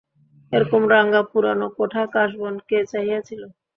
এরকম ভাঙা পুরানো কোঠা বাঁশবন কে চাহিয়াছিল?